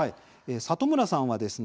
里村さんはですね